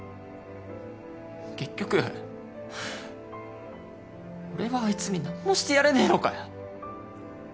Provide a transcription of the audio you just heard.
結局俺はあいつに何もしてやれねえのかよ。